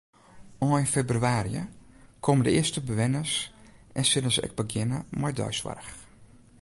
Ein febrewaarje komme de earste bewenners en sille se ek begjinne mei deisoarch.